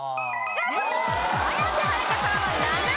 綾瀬はるかさんは７位です。